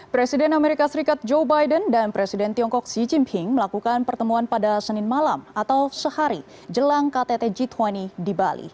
presiden amerika serikat joe biden dan presiden tiongkok xi jinping melakukan pertemuan pada senin malam atau sehari jelang ktt g dua puluh di bali